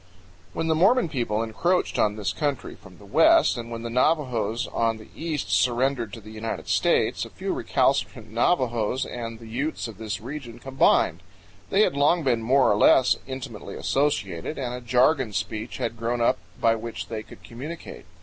When the Mormon people encroached on this country from the west, and when the Navajos on the east surrendered to the United States, a few recalcitrant Navajos and the Utes of this region combined. They had long been more or less intimately associated, and a jargon speech had grown up by which they could communicate.